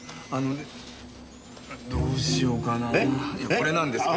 これなんですけど。